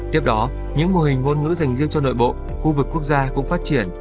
tiếp đó những mô hình ngôn ngữ dành riêng cho nội bộ khu vực quốc gia cũng phát triển